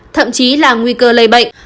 thậm chí là nguy cơ lây bệnh